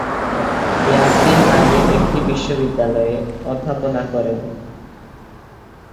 ইয়াসিন আলী একটি বিশ্ববিদ্যালয়ে অধ্যাপনা করেন।